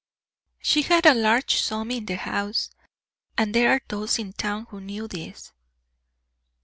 "She had a large sum in the house, and there are those in town who knew this."